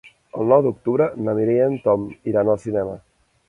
El nou d'octubre na Mireia i en Tom iran al cinema.